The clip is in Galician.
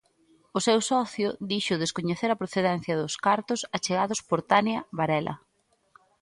O seu socio dixo descoñecer a procedencia dos cartos achegados por Tania Varela.